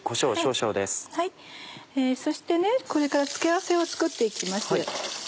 そしてこれから付け合わせを作って行きます。